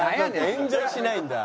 炎上しないんだ。